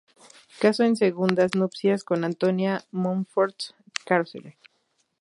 Caso en segundas nupcias con Antonia Monforte Carceller.